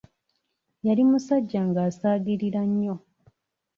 Yali musajja ng'asaagirira nnyo.